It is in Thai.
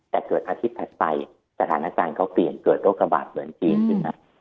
แต่เกิดอาทิตย์ถัดไปสถานการณ์เขาเปลี่ยนเกิดโรคระบาดเหมือนจีนขึ้นมา